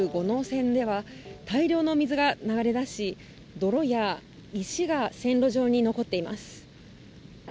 線では大量の水が流れ出し、泥や石が線路上に残っています。